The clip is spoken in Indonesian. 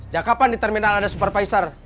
kenapa di terminal ada supervisor